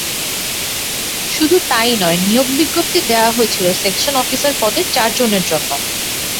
শুধু তা-ই নয়, নিয়োগ বিজ্ঞপ্তি দেওয়া হয়েছিল সেকশন অফিসার পদে চারজনের জন্য।